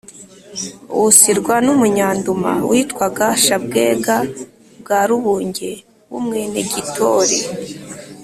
wusirwa n'umunyanduma witwaga shabwega bwa rubunge w'umwenegitoli